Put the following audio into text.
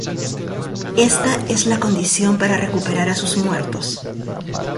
Esta es la condición para recuperar a sus muertos.